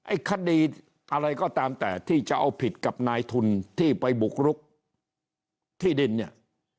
ไอ้คดีอะไรก็ตามแต่ที่จะเอาผิดกับนายทุนที่ไปบุกรุกที่ดินเนี่ย